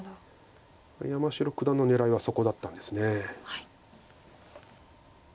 山城九段の狙いはそこだったんです。